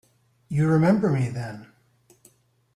You remember me, then?